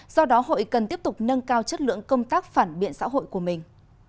do đó hội cần tiếp tục nâng cao chất lượng công tác phản biện xã hội của mình